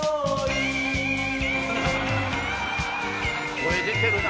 声出てるな。